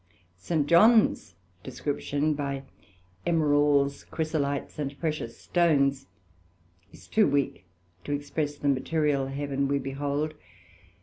St. John's description by Emerals, Chrysolites, and precious Stones, is too weak to express the material Heaven we behold.